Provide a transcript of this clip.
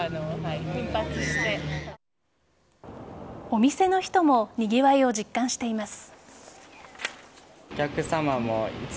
お店の人もにぎわいを実感しています。